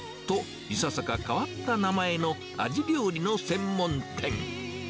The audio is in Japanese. と、いささか変わった名前の、アジ料理の専門店。